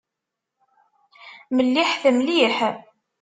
Melliḥet mliḥ.